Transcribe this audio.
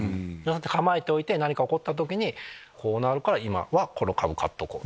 構えておいて何か起こった時にこうなるから今はこの株買っとこう！